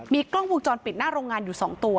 กล้องวงจรปิดหน้าโรงงานอยู่๒ตัว